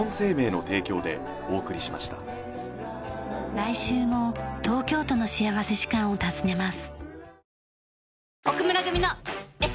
来週も東京都の幸福時間を訪ねます。